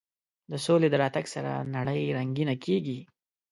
د سولې د راتګ سره نړۍ رنګینه کېږي.